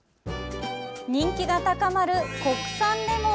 人気が高まる国産レモン！